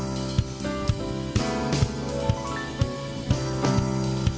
assalamu'alaikum warahmatullahi wabarakatuh